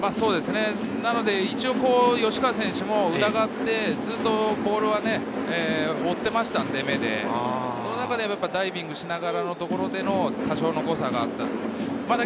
なので一応、吉川選手もずっとボールは追ってましたので、その中でダイビングしながらのところでの多少の誤差があったのかな？